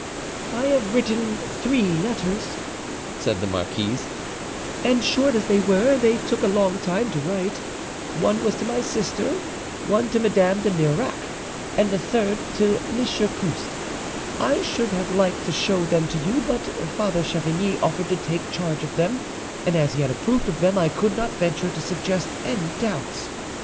"I have written three letters," said the marquise, "and, short as they were, they took a long time to write: one was to my sister, one to Madame de Marillac, and the third to M. Couste. I should have liked to show them to you, but Father Chavigny offered to take charge of them, and as he had approved of them, I could not venture to suggest any doubts.